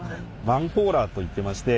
マンホーラーといってまして。